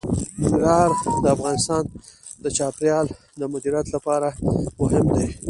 ننګرهار د افغانستان د چاپیریال د مدیریت لپاره مهم دي.